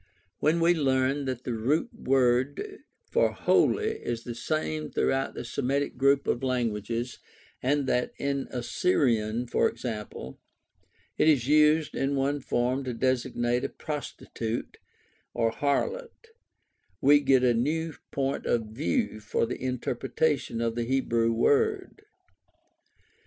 When we learn that the root word for "holy" is the same throughout the Semitic group of languages, and that in Assyrian, for example, it is used in one form to designate a "prostitute" or " harlot,"' we get a new point of view for the interpretation of the Hebrew word.